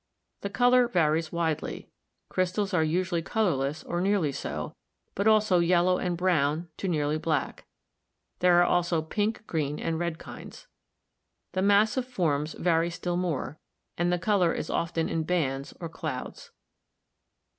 The color varies widely; crystals are usually colorless or nearly so, but also yellow and brown to nearly black ; there are also pink, green and red kinds. The massive forms vary still more, and the color is often in bands or clouds.